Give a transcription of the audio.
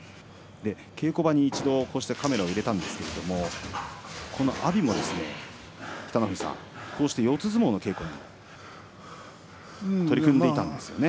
稽古場に一度カメラを入れたんですけれども阿炎もこうして四つ相撲の稽古を取り組んでいたんですね。